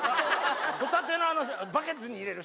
ホタテのあのバケツに入れるシャン！